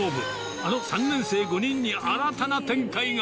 あの３年生５人に新たな展開が。